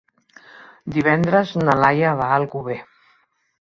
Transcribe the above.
Divendres na Laia va a Alcover.